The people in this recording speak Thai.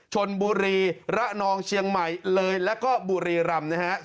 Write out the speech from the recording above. ชนบุรีระนองเชียงใหม่เลยแล้วก็บุรีรำนะฮะ